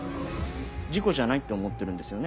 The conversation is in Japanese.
事故じゃないって思ってるんですよね？